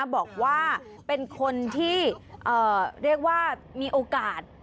บอกว่าเป็นคนที่เรียกว่ามีโอกาส